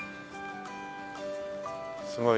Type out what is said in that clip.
すごい。